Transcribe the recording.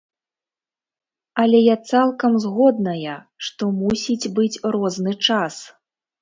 Але я цалкам згодная, што мусіць быць розны час!